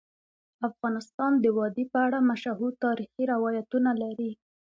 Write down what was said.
افغانستان د وادي په اړه مشهور تاریخی روایتونه لري.